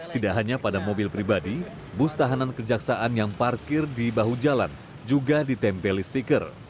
tidak hanya pada mobil pribadi bus tahanan kejaksaan yang parkir di bahu jalan juga ditempeli stiker